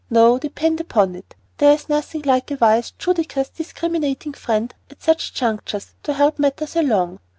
No, depend upon it, there is nothing like a wise, judicious, discriminating friend at such junctures, to help matters along.